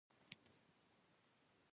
سږ یې تاوده خالونه ووهل.